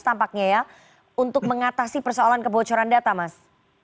tampaknya ya untuk mengatasi persoalan kebocoran data mas